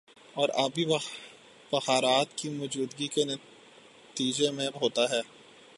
اور آبی بخارات کی موجودگی کے نتیجے میں ہوتا ہے